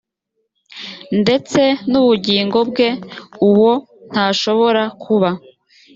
ndetse n ubugingo bwe uwo ntashobora kuba